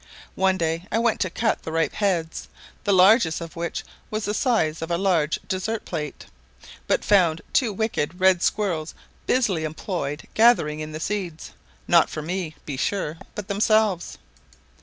One day I went to cut the ripe heads, the largest of which was the size of a large dessert plate, but found two wicked red squirrels busily employed gathering in the seeds, not for me, be sure, but themselves.